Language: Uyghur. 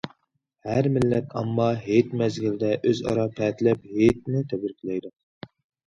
ھەر مىللەت ئامما ھېيت مەزگىلىدە ئۆزئارا پەتىلەپ، ھېيتنى تەبرىكلەيدۇ.